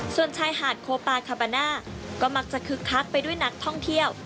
ส่วนชายหาดโคปาคาบาน่าก็มักจะคึกคักไปด้วยนักท่องเที่ยว